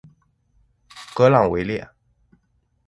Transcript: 格朗维列。